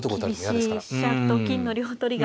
厳しい飛車と金の両取りが。